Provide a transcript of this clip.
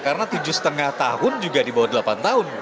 karena tujuh lima tahun juga di bawah delapan tahun